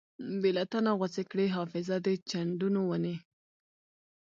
بې لتانۀ غوڅې کړې حافظه د چندڼو ونې